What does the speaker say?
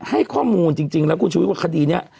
ให้ข้อมูลจริงแล้วคุณชุวิตว่าคดีนี้